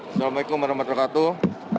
assalamu'alaikum warahmatullahi wabarakatuh